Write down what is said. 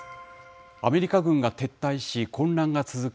アメリカ軍が撤退し、混乱が続く